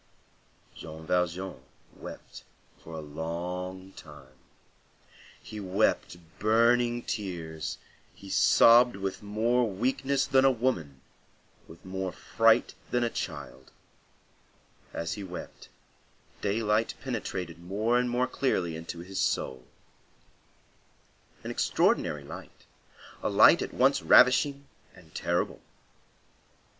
Jean Valjean wept for a long time. He wept burning tears, he sobbed with more weakness than a woman, with more fright than a child. As he wept, daylight penetrated more and more clearly into his soul; an extraordinary light; a light at once ravishing and terrible.